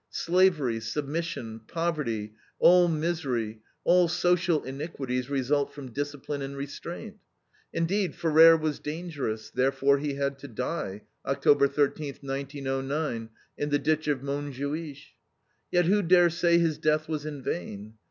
Slavery, submission, poverty, all misery, all social iniquities result from discipline and restraint. Indeed, Ferrer was dangerous. Therefore he had to die, October thirteenth, 1909, in the ditch of Montjuich. Yet who dare say his death was in vain?